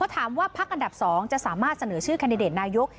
พักอันดับ๒จะสามารถเสนอชื่อแคนดิเดตนายก